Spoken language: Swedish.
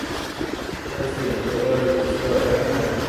Helst inte, det började just spöregna här.